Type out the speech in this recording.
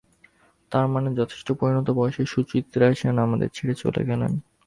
তার মানে, যথেষ্ট পরিণত বয়সেই সুচিত্রা সেন আমাদের ছেড়ে চলে গেলেন।